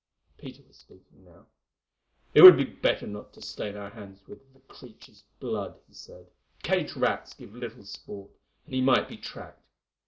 Peter was speaking now. "It would be better not to stain our hands with the creature's blood," he said. "Caged rats give little sport, and he might be tracked.